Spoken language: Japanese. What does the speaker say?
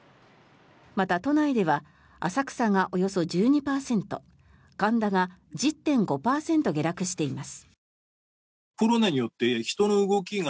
また、都内では浅草がおよそ１２％神田が１０．５％下落しています。